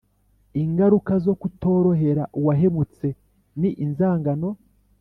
ingaruka zo kutorohera uwahemutse ni inzangano